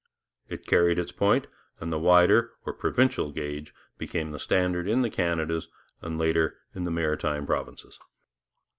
It carried its point, and the wider or 'provincial' gauge became the standard in the Canadas, and later in the Maritime Provinces.